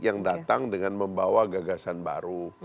yang datang dengan membawa gagasan baru